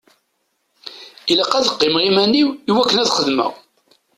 Ilaq ad qqimeɣ iman-iw i wakken ad xemmeɣ.